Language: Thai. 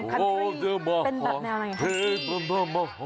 เป็นแบบแนวไหนครับ